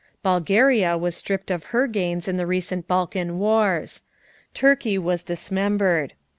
Bulgaria was stripped of her gains in the recent Balkan wars. Turkey was dismembered.